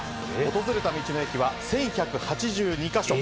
訪れた道の駅は１１８２か所。